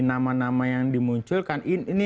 nama nama yang dimunculkan ini